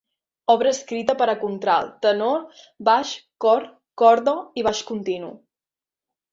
Obra escrita per a contralt, tenor, baix, cor, corda i baix continu.